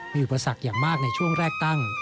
มีอุปสรรคอย่างมากในช่วงแรกตั้ง